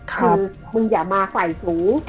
คือมึงอย่ามาไฝสูง